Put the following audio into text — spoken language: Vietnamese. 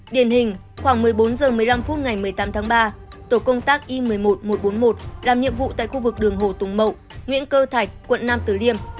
điển hình khoảng một mươi bốn h một mươi năm phút ngày một mươi tám tháng ba tổ công tác i một mươi một nghìn một trăm bốn mươi một làm nhiệm vụ tại khu vực đường hồ tùng mậu nguyễn cơ thạch quận nam tử liêm